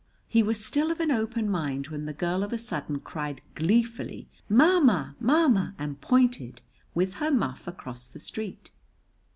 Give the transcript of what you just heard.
He was still of an open mind when the girl of a sudden cried, gleefully, "Ma ma, ma ma!" and pointed, with her muff, across the street.